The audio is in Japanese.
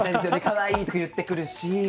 かわいい！」とか言ってくるし。